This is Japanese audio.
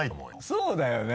そうだよね